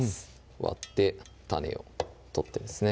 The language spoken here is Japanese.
割って種を取ってですね